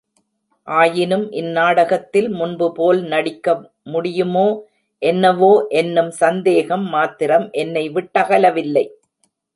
ஆயினும் இந் நாடத்தில் முன்பு போல் நடிக்க முடியுமோ என்னவோ என்னும் சந்தேகம் மாத்திரம் என்னை விட்டகலவில்லை.